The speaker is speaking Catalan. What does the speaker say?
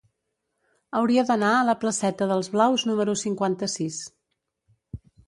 Hauria d'anar a la placeta d'Els Blaus número cinquanta-sis.